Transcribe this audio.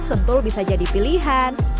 sentul bisa jadi pilihan